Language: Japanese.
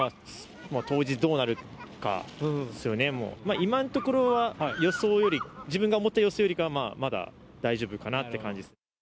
当日どうなるかですよね、もう、今のところは予想より、自分が思った予想よりかはまあまだ大丈夫かなっていう感じです。